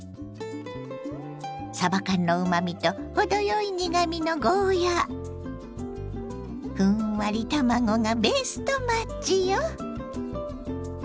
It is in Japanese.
さば缶のうまみと程よい苦みのゴーヤーふんわり卵がベストマッチよ。